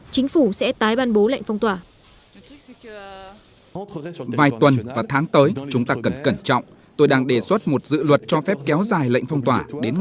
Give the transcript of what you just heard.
chính phủ sẽ tái ban bố lệnh phong tỏa